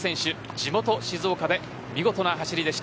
地元静岡で見事な走りでした。